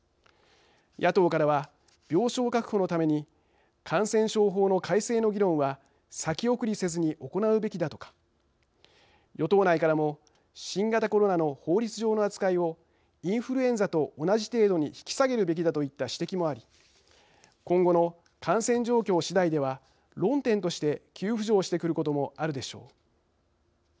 野党からは、病床確保のために感染症法の改正の議論は先送りせずに行うべきだとか与党内からも新型コロナの法律上の扱いをインフルエンザと同じ程度に引き下げるべきだといった指摘もあり今後の感染状況しだいでは論点として急浮上してくることもあるでしょう。